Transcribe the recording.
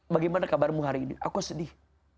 bagaimana kabarmu hari ini aku sedih